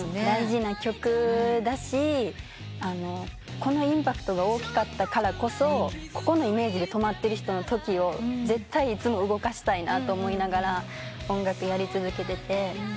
大事な曲だしこのインパクトが大きかったからこそここのイメージで止まってる人の時を絶対いつも動かしたいなと思いながら音楽やり続けてて。